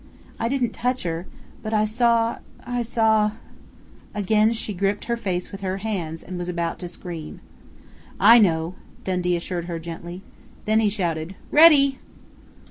I didn't touch her, but I saw I saw " Again she gripped her face with her hands and was about to scream. "I know," Dundee assured her gently. Then he shouted: "Ready!"